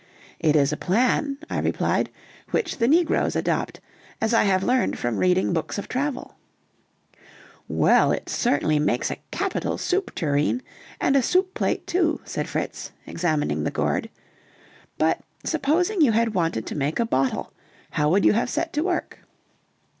"It is a plan," I replied, "which the negroes adopt, as I have learned from reading books of travel." "Well, it certainly makes a capital soup tureen, and a soup plate too," said Fritz, examining the gourd. "But supposing you had wanted to make a bottle, how would you have set to work?"